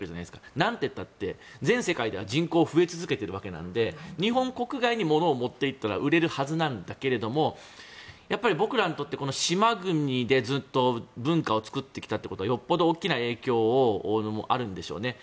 なんといったって全世界では人口が増え続けているわけなので日本国外にものを持っていったら売れるはずなんだけど僕らにとっては島国でずっと文化を作ってきたということはよっぽど大きな影響もあるんでしょうね。